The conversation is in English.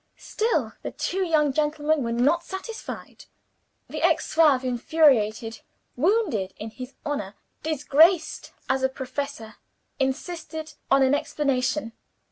Still the two young gentlemen were not satisfied. The ex Zouave, infuriated; wounded in his honor, disgraced as a professor, insisted on an explanation.